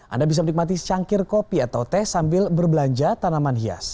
anda bisa menikmati cangkir kopi atau teh sambil berbelanja tanaman hias